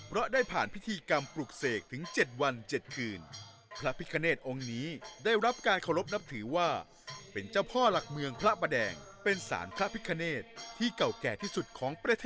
เพราะได้ผ่านพิธีกรรมปลูกเสก